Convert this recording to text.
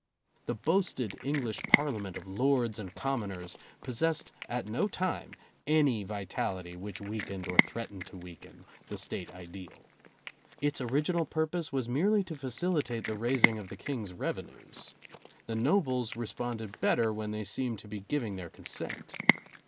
The boasted English Parliament of lords and commoners possessed at no time any vitality which weakened or threatened to weaken the State ideal. Its original purpose was merely to facilitate the raising of the King's revenues. The nobles re sponded better when they seemed to be giving their consent.